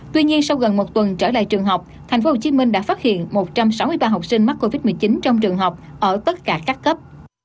tuy nhiên sau gần một tuần trở lại trường học tp hcm đã phát hiện một trăm sáu mươi ba học sinh mắc covid một mươi chín trong trường học ở tất cả các cấp